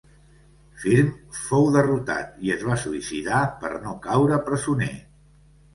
Firm fou derrotat i es va suïcidar per no caure presoner.